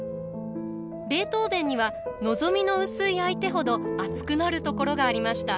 ベートーヴェンには望みの薄い相手ほど熱くなるところがありました。